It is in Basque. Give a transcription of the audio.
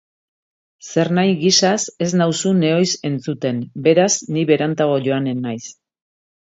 Zernahi gisaz ez nauzu nehoiz entzuten, beraz ni berantago joanen naiz.